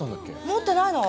持ってないの？